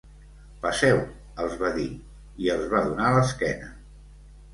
Passeu —els va dir, i els va donar l'esquena.